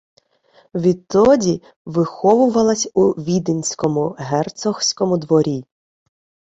Відтоді виховувалась у віденському герцогському дворі.